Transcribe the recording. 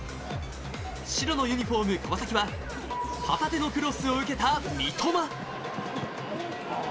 白のユニフォーム川崎は旗手のクロスを受けた三笘。